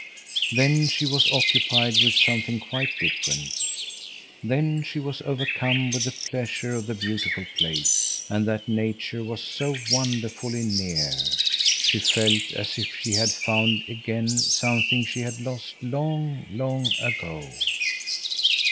Then she was occupied with something quite different. Then she was overcome with pleasure at the beautiful place and that nature was so wonderfully near. She felt as if she had found again something she had lost long, long ago.